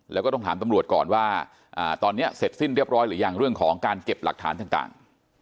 แล้วก็ต้องถามตำรวจก่อนว่าตอนนี้เสร็จสิ้นเรียบร้อยหรือยังเรื่องของการเก็บหลักฐานต่าง